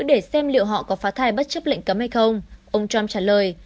để xem liệu họ có phá thai bất chấp lệnh cấm hay không ông trump trả lời